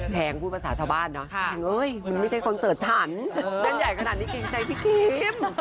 แจงใหญ่ขนาดนี้ใครใช้พี่ครีม